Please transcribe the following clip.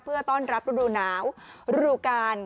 ลทีนี้จะรับรูดหนาวรูลการ